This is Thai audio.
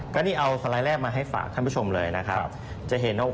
ก็นี่เอาสไลด์แรกมาให้ฝากท่านผู้ชมเลย